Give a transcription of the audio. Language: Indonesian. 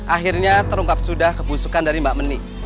akhirnya terungkap sudah kebusukan dari mbak meni